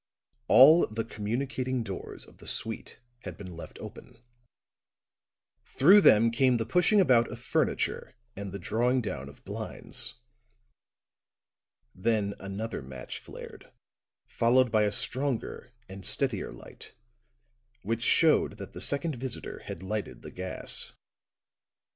All the communicating doors of the suite had been left open; through them came the pushing about of furniture and the drawing down of blinds; then another match flared, followed by a stronger and steadier light, which showed that the second visitor had lighted the gas.